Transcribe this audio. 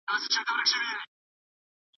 که زده کوونکي پوښتني ولیکي، فکر ګډوډ نه کېږي.